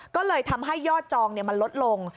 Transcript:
ก็เลยทำให้ยอดจองมันลดลง